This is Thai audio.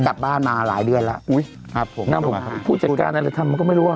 กลับบ้านมาหลายเดือนแล้วอุ้ยครับผมผู้จัดการอะไรทำมันก็ไม่รู้อ่ะ